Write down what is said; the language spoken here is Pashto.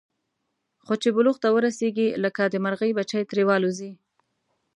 خو چې بلوغ ته ورسېږي، لکه د مرغۍ بچي ترې والوځي.